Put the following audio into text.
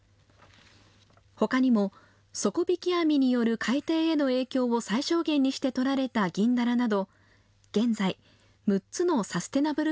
ほかにも底引き網による海底への影響を最小限にして取られた銀だらなど、現在６つのサステナブル